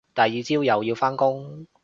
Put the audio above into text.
第二朝又要返工